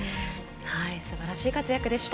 すばらしい活躍でした。